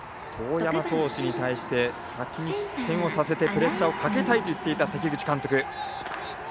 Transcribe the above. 當山投手に対して先に失点をさせてプレッシャーをかけたいと言っていた関口監督。